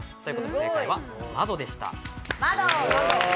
正解は、まどでした。